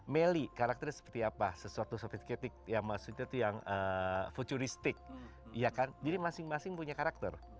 melly karakternya seperti apa sesuatu yang futuristik iya kan jadi masing masing punya karakter